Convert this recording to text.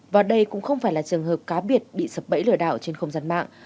và đây cũng không phải là trường hợp cá biệt bị sập bẫy lừa đảo trên không gian mạng